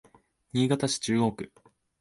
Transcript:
新潟市中央区